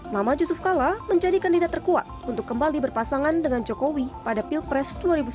nama yusuf kala menjadi kandidat terkuat untuk kembali berpasangan dengan jokowi pada pilpres dua ribu sembilan belas